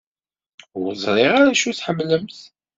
Ur ẓṛiɣ ara acu i tḥemmlemt.